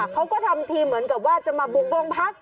เขาก็ทำทีเหมือนกับว่าจะมาบุกโรงพัก